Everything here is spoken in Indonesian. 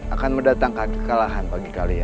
akan mendatang ke kekalahan bagi kalian